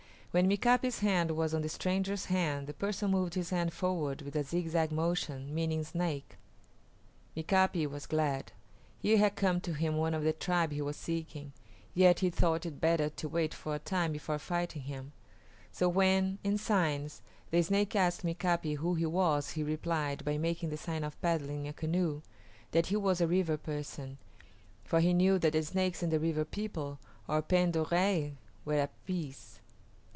When Mika´pi's hand was on the stranger's hand the person moved his hand forward with a zigzag motion, meaning Snake. Mika´pi was glad. Here had come to him one of the tribe he was seeking, yet he thought it better to wait for a time before fighting him; so when, in signs, the Snake asked Mika´pi who he was he replied, by making the sign for paddling a canoe, that he was a River person, for he knew that the Snakes and the River people, or Pend d'Oreilles, were at peace.